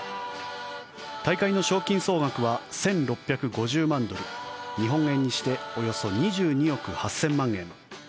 大会の賞金総額は１６５０万ドル日本円にしておよそ２２億８０００万円。